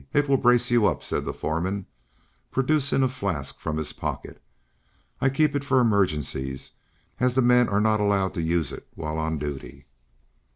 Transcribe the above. It will brace you up," said the foreman, producing a flask from his pocket. "I keep it for emergencies, as the men are not allowed to use it while on duty."